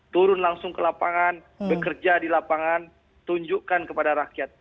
turun langsung ke lapangan bekerja di lapangan tunjukkan kepada rakyat